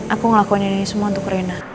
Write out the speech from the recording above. aku ngelakuin ini semua untuk rena